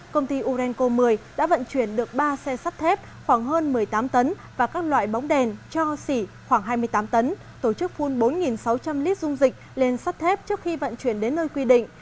công ty orenco một mươi đã vận chuyển được ba xe sắt thép khoảng hơn một mươi tám tấn và các loại bóng đèn cho xỉ khoảng hai mươi tám tấn tổ chức phun bốn sáu trăm linh lít dung dịch lên sắt thép trước khi vận chuyển đến nơi quy định